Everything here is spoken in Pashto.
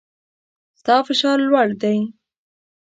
ستا فشار لوړ دی